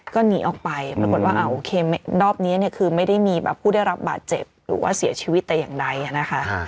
ก็หนีออกไปปรากฏว่าโอเครอบนี้เนี่ยคือไม่ได้มีแบบผู้ได้รับบาดเจ็บหรือว่าเสียชีวิตแต่อย่างใดนะคะ